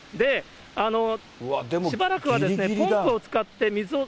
しばらくはポンプを使って水を。